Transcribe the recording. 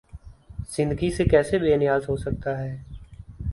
زندگی سے کیسے بے نیاز ہو سکتا ہے؟